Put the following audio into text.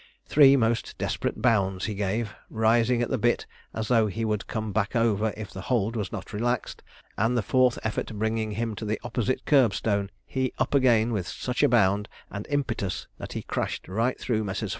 Three most desperate bounds he gave, rising at the bit as though he would come back over if the hold was not relaxed, and the fourth effort bringing him to the opposite kerb stone, he up again with such a bound and impetus that he crashed right through Messrs.